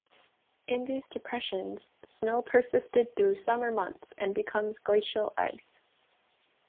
In these depressions, snow persisted through summer months, and becomes glacial ice.